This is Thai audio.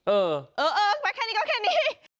เออแค่นี้ก็แค่นี้